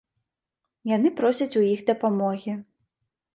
Яны просяць у іх дапамогі.